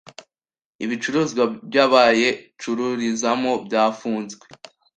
ibicuruzwa by'abayacururizamo byafunzwe